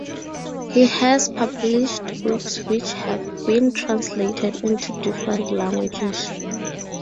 He has published books which have been translated into different languages.